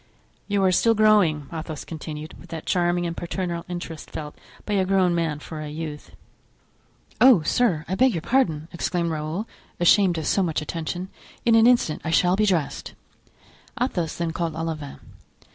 "You are still growing," Athos continued, with that charming and paternal interest felt by a grown man for a youth. "Oh, sir, I beg your pardon!" exclaimed Raoul, ashamed of so much attention; "in an instant I shall be dressed." Athos then called Olivain.